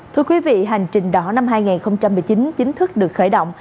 thưa quý vị hành trình đỏ năm hai nghìn một mươi chín chính thức được khởi động